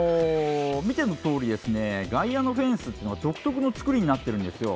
見てのとおり、外野のフェンスというのが独特の造りになってるんですよ。